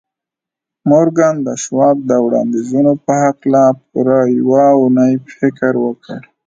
مورګان د شواب د وړانديزونو په هکله پوره يوه اونۍ فکر وکړ.